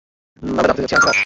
আমরা দাপাতে যাচ্ছি, আজ রাত।